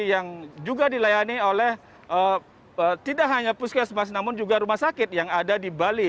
yang juga dilayani oleh tidak hanya puskesmas namun juga rumah sakit yang ada di bali